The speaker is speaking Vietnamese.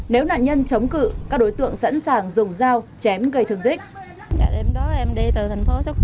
nếu nạn nhân chống cự các đối tượng sẵn sàng dùng dao chém gây thương tích